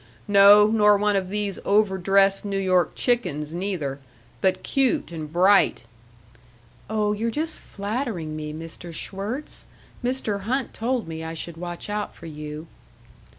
No, nor one of these overdressed New York chickens, neither, but cute and bright " "Oh, you're just flattering me, Mr. Schwirtz. Mr. Hunt told me I should watch out for you."